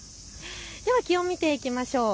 では気温、見ていきましょう。